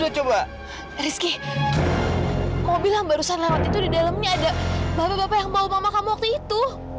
coba rizky mobil yang barusan lewat itu di dalamnya ada bapak bapak yang mau mama kamu waktu itu